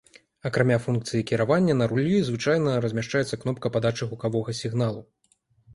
Акрамя функцыі кіравання, на рулі звычайна размяшчаецца кнопка падачы гукавога сігналу.